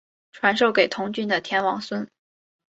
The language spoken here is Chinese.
传授给同郡的田王孙。